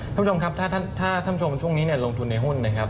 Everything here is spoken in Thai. ถ้าท่านผู้ชมช่วงนี้ลงทุนในหุ้นนะครับ